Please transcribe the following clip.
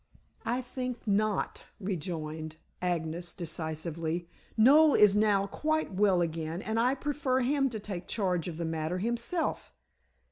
"I think not," rejoined Agnes decisively. "Noel is now quite well again, and I prefer him to take charge of the matter himself."